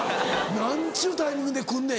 「何ちゅうタイミングで来んねん」